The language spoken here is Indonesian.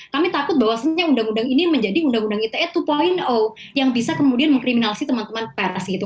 kami takut bahwasannya undang undang ini menjadi undang undang ite dua yang bisa kemudian mengkriminasi teman teman pers gitu